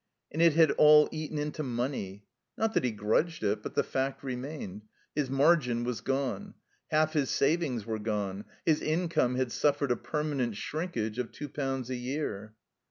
And it had all eaten into money. Not that he grudged it; but the fact remained. His margin was gone; half his savings were gone; his income had suffered a permanent shrinkage of two pounds a year.